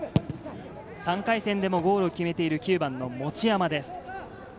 ３回戦もゴールを決めている、９番の持山です。